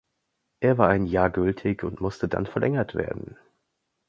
Er war ein Jahr gültig und musste dann verlängert werden.